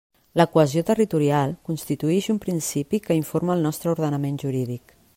La cohesió territorial constituïx un principi que informa el nostre ordenament jurídic.